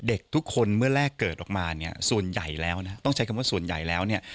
เด็กทุกคนเมื่อแรกเกิดออกมาเนี่ยส่วนใหญ่แล้วนะต้องใช้คำว่าส่วนใหญ่แล้วเนี่ย